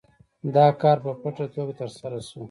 دا کار په پټه توګه ترسره شو.